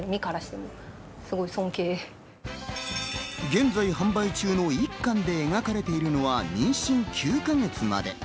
現在、販売中の１巻で描かれているのは、妊娠９か月まで。